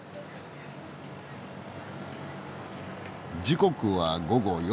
時刻は午後４時。